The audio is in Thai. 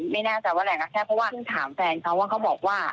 ไม่แน่ใจว่าแรงกระแพร่เพราะว่าถึงถามแฟนเขาว่าเขาบอกว่า